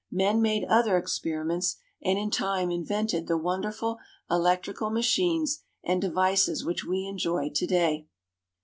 Men made other experiments, and in time invented the wonderful electrical machines and devices which we enjoy to day.